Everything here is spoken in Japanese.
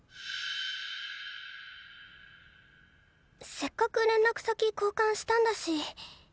せっかく連絡先交換したんだし